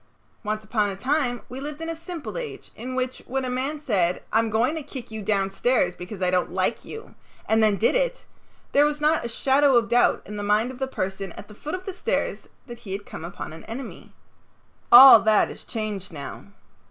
Once upon a time we lived in a simple age in which when a man said, "I'm going to kick you downstairs because I don't like you," and then did it, there was not a shadow of doubt in the mind of the person at the foot of the stairs that he had come upon an enemy. All that is changed now.